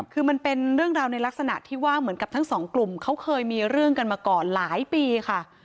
คือมันเป็นเรื่องราวในลักษณะที่ว่าเหมือนกับทั้งสองกลุ่มเขาเคยมีเรื่องกันมาก่อนหลายปีค่ะ